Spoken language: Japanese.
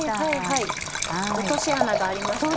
落とし穴がありましたね。